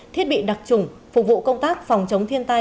thiết bị đặc trùng phục vụ công tác phòng chống thiên tai